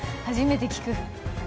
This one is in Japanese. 初めて聞く。